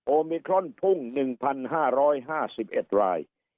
มิครอนพุ่ง๑๕๕๑ราย